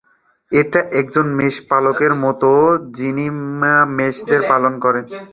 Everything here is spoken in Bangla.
এটা একজন মেষপালকের মতো, যিনি মেষদের পালন করেন।